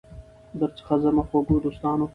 درڅخه ځمه خوږو دوستانو